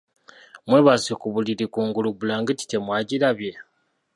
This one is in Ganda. Mwebase ku buliri kungulu bulangiti temwagirabye?